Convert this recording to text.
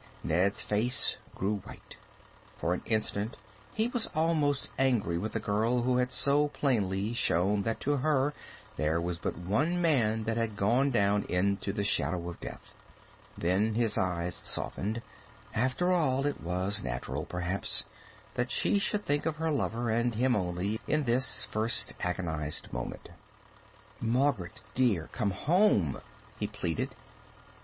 Ned's face grew white. For an instant he was almost angry with the girl who had so plainly shown that to her there was but one man that had gone down into the shadow of death. Then his eyes softened. After all, it was natural, perhaps, that she should think of her lover, and of him only, in this first agonized moment. "Margaret, dear, come home," he pleaded.